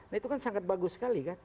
nah itu kan sangat bagus sekali kan